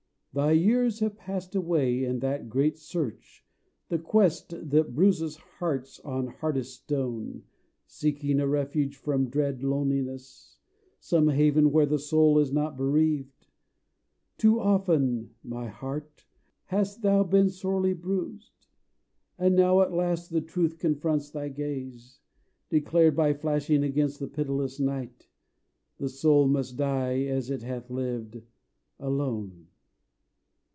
Thy years have passed away in that Great Search, The quest that bruises hearts on hardest stone; Seeking a refuge from dread loneliness, Some haven where the soul is not bereaved; Too often my heart hast thou been sorely bruised; And now at last the truth confronts thy gaze, Declared by flash against the pitiless night: 'The soul must die as it hath lived alone.'